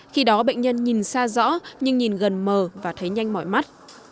khi đó bệnh nhân nhìn xa rõ nhưng nhìn gần mờ và thấy nhanh mọi mắt